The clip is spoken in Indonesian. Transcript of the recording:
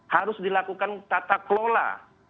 harus dilakukan tata kelola